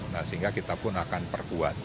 nah sehingga kita pun akan perkuat